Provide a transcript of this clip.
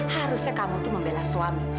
harusnya kamu itu membela suami